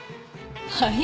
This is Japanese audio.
はい？